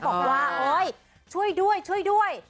บอกว่าโอ๊ยช่วยด้วยช่วยด้วย